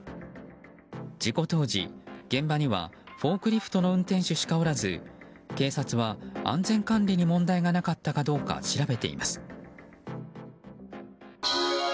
事故当時、現場にはフォークリフトの運転手しかおらず警察は安全管理に問題がなかったかどうか調べています。